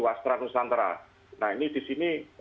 wastra nusantara nah ini di sini